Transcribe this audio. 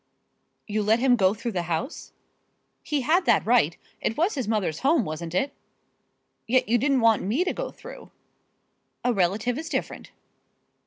"You let him go through the house?" "He had that right. It was his mother's home, wasn't it?" "Yet you didn't want me to go through." "A relative is different."